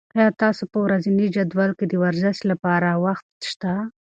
آیا ستاسو په ورځني جدول کې د ورزش لپاره وخت شته؟